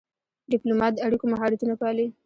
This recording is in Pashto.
ډيپلومات د اړیکو مهارتونه پالي.